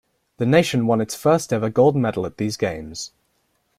The nation won its first ever gold medal at these Games.